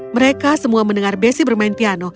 mereka semua mendengar besi bermain piano